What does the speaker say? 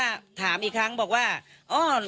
เลขทะเบียนรถจากรยานยนต์